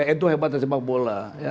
itu hebatnya sepak bola